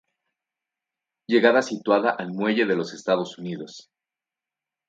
Llegada situada al Muelle de los Estados Unidos.